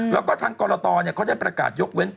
แล้วก็ทางกรตเนี่ยเขาจะประกาศยกเว้น